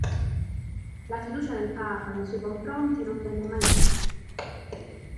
La fiducia del papa nei suoi confronti non venne mai meno.